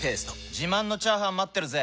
自慢のチャーハン待ってるぜ！